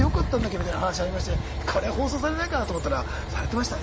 みたいな話ありましたがこれ放送されないかなと思ったらされてましたね。